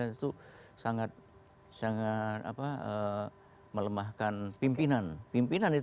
itu sangat melemahkan pimpinan